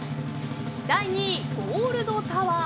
第２位、ゴールドタワー。